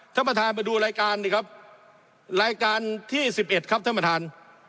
ท่านประธานไปดูรายการดิครับรายการที่๑๑ครับท่านประธาน